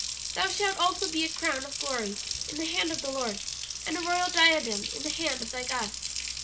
"'Thou shalt also be a crown of glory in the hand of the Lord, and a royal diadem in the hand of thy God.